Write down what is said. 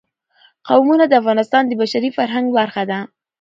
قومونه د افغانستان د بشري فرهنګ برخه ده.